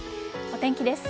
お天気です。